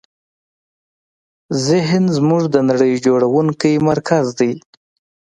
ذهن زموږ د نړۍ جوړوونکی مرکز دی.